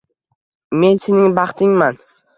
Men sening baxtingman